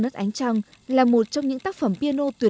sôn ất ánh trăng là một trong những tác phẩm piano tốt nhất của thế giới